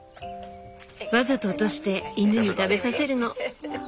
わざと落として犬に食べさせるの。